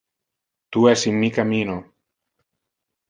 Tu es in mi cammino.